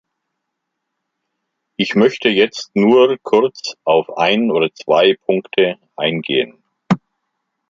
Ich möchte jetzt nur kurz auf ein oder zwei Punkte eingehen.